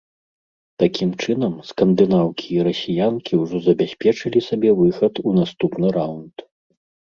Такім чынам, скандынаўкі і расіянкі ўжо забяспечылі сабе выхад у наступны раўнд.